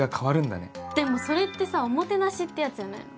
でもそれってさ「おもてなし」ってやつじゃないの？